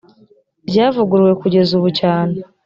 ryavuguruwe kugeza ubu cyane cyane